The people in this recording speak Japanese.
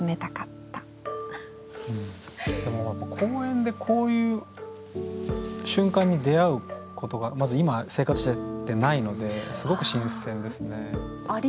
でも何か公園でこういう瞬間に出会うことがまず今生活しててないのですごく新鮮ですね。